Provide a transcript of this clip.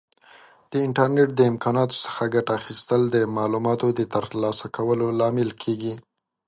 د انټرنیټ د امکاناتو څخه ګټه اخیستل د معلوماتو د ترلاسه کولو لامل کیږي.